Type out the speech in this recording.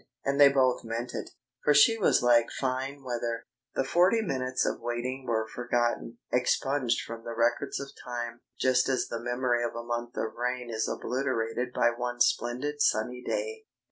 And they both meant it. For she was like fine weather. The forty minutes of waiting were forgotten, expunged from the records of time, just as the memory of a month of rain is obliterated by one splendid sunny day.